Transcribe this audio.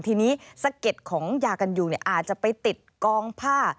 ทีนี้สะเก็ดของยากันยุงอาจจะไปติดกองผ้า